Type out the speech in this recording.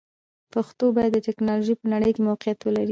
پښتو باید د ټکنالوژۍ په نړۍ کې موقعیت ولري.